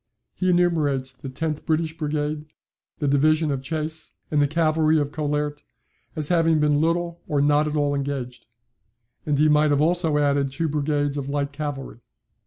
He enumerates the tenth British Brigade, the division of Chasse, and the cavalry of Collaert, as having been little or not at all engaged; and he might have also added two brigades of light cavalry."